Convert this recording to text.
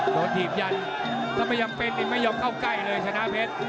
โดดดีบยันและมันไม่มีอย่างต้องเข้าใกล้เลยชนะเพชร